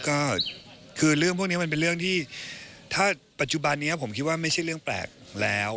ก็คือเรื่องพวกนี้มันเป็นเรื่องที่ถ้าปัจจุบันนี้ผมคิดว่าไม่ใช่เรื่องแปลกแล้ว